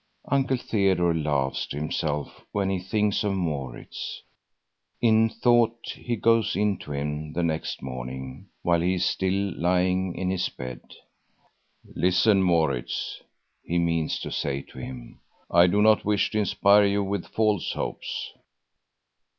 Uncle Theodore laughs to himself when he thinks of Maurits. In thought he goes in to him the next morning while he is still lying in his bed. "Listen, Maurits," he means to say to him. "I do not wish to inspire you with false hopes.